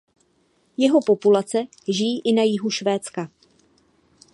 Jeho populace žijí i na jihu Švédska.